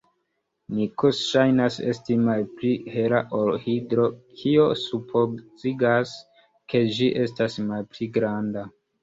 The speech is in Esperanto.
Nikso ŝajnas esti malpli hela ol Hidro, kio supozigas, ke ĝi estas malpli granda.